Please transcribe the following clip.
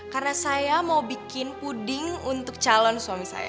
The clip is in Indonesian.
karena saya mau bikin puding untuk calon suami saya